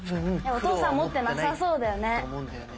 お父さん持ってなさそうだよね。